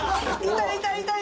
痛い痛い！